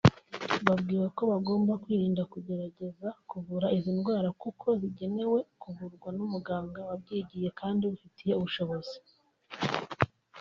Babwiwe ko bagomba kwirinda kugerageza kuvura izi ndwara kuko zigenewe kuvurwa na muganga wabyigiye kandi ubifitiye ubushobozi